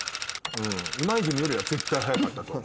今泉よりは絶対早かったと思う。